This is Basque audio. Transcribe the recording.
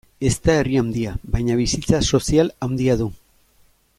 Ez da herri handia, baina bizitza sozial handia du.